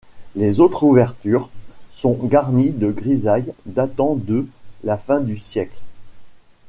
Les autres ouvertures sont garnies de grisailles datant de la fin du siècle.